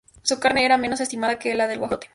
Su carne era menos estimada que la del guajolote.